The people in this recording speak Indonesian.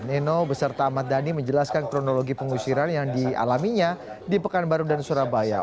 neno beserta ahmad dhani menjelaskan kronologi pengusiran yang dialaminya di pekanbaru dan surabaya